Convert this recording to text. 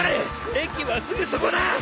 駅はすぐそこだ！